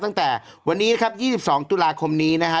ตั้งแต่วันนี้ครับ๒๒ตุลาคมนี้นะฮะ